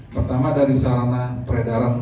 pertama dari sarana peredaran